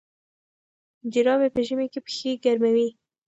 جرابې په ژمي کې پښې ګرموي.